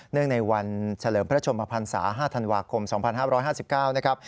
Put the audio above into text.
ในวันเฉลิมพระชมพันศา๕ธันวาคม๒๕๕๙นะครับ